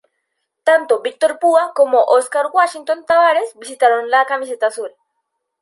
Tanto Víctor Púa como Óscar Washington Tabárez vistieron la camiseta azul.